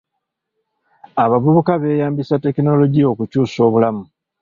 Abavubuka beeyambisa tekinologiya okukyusa obulamu.